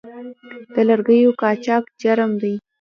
د لرګیو قاچاق جرم دی